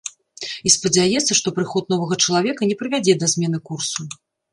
І спадзяецца, што прыход новага чалавека не прывядзе да змены курсу.